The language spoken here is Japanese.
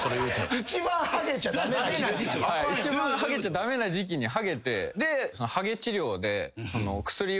一番ハゲちゃ駄目な時期にハゲて。